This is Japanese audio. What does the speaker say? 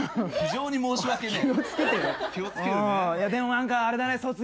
非常に申し訳ねえ。